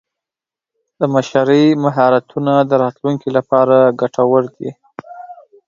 د مشرۍ مهارتونه د راتلونکي لپاره ګټور دي.